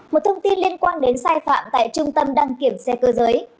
một thông tin liên quan đến sai phạm tại trung tâm đăng kiểm xe cơ giới